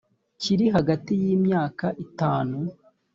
kiri hagati y imyaka itanu